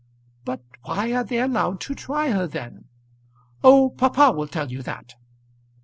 "But why are they allowed to try her then?" "Oh, papa will tell you that."